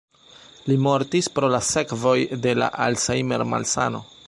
Li mortis pro la sekvoj de la Alzheimer-malsano.